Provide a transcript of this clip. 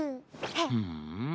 ふん。